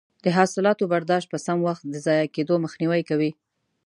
د حاصلاتو برداشت په سم وخت د ضایع کیدو مخنیوی کوي.